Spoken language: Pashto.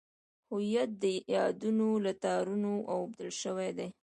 هویت د یادونو له تارونو اوبدل شوی دی.